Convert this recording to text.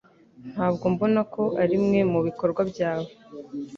Ntabwo mbona ko arimwe mubikorwa byawe